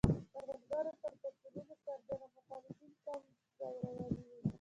کروندګرو پر پاڅونونو سربېره مخالفین کم زوري وو.